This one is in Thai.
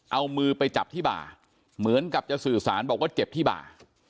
เอามือไปจับที่บ่าเหมือนกับจะสื่อสารบอกว่าเจ็บที่บ่า